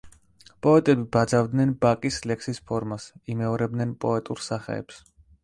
პოეტები ბაძავდნენ ბაკის ლექსის ფორმას, იმეორებდნენ პოეტურ სახეებს.